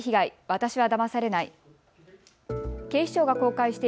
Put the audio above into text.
私はだまされない。